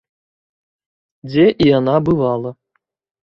Дзе і яна бывала.